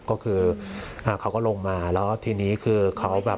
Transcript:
ก็คืออ่าเขาก็ลงมาแล้วทีนี้คือเขาแบบ